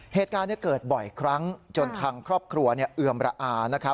เหตุการณ์เกิดบ่อยครั้งจนทางครอบครัวเอือมระอา